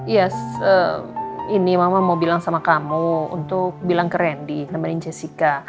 ya ini mama mau bilang sama kamu untuk bilang ke randy nemenin jessica